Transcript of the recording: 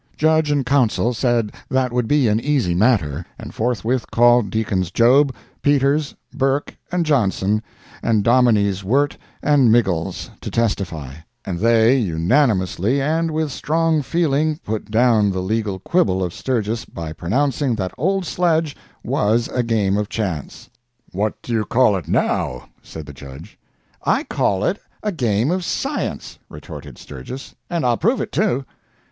Judge and counsel said that would be an easy matter, and forthwith called Deacons Job, Peters, Burke, and Johnson, and Dominies Wirt and Miggles, to testify; and they unanimously and with strong feeling put down the legal quibble of Sturgis by pronouncing that old sledge was a game of chance. "What do you call it now?" said the judge. "I call it a game of science!" retorted Sturgis; "and I'll prove it, too!"